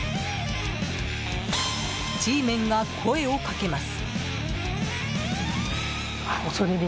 Ｇメンが声を掛けます。